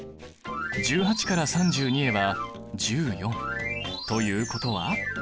１８から３２へは１４。ということは？